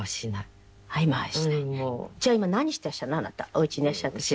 おうちにいらっしゃる時は。